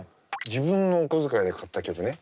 自分のお小遣いで買った曲ね。